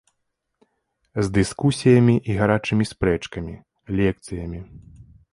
З дыскусіямі і гарачымі спрэчкамі, лекцыямі.